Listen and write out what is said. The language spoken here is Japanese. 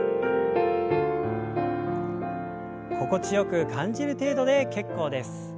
心地よく感じる程度で結構です。